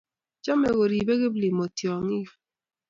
Chame koribe Kiplimo tyongik